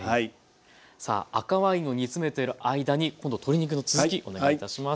さあ赤ワインを煮詰めている間に今度鶏肉の続きお願いいたします。